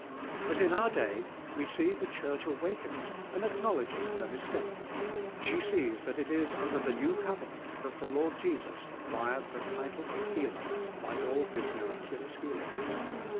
But in our day we see the Church awakening and acknowledging her mis take. She sees that it is under the New Covenant that (In 1 Lord .lestis ari|iiired the title of Healer by all Ilia miraculous healings.